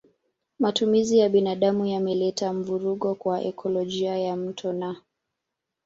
Matumizi ya binadamu yameleta mvurugo kwa ekolojia ya mto na